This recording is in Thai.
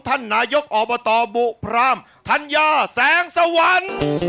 ท่านนายกอบตบุพรามธัญญาแสงสวรรค์